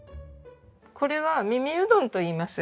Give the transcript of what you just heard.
これは耳うどんといいます。